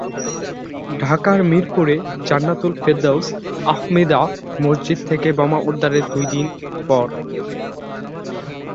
ঢাকার মিরপুরে জান্নাতুল ফেরদৌস আহমদিয়া মসজিদ থেকে বোমা উদ্ধারের দুই দিন পর।